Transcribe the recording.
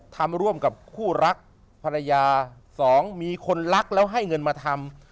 ทำร่วมกับคู่รักภรรยาสองมีคนรักแล้วให้เงินมาทำ